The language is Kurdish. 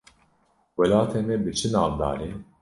Welatê me bi çi navdar e?